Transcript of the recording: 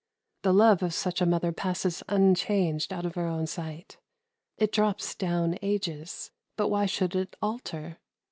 The love of such a mother passes unchanged out of her own sight. It drops down ages, but why should it alter?